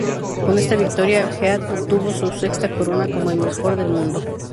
Con esta victoria Heath obtuvo su sexta corona como el mejor del mundo.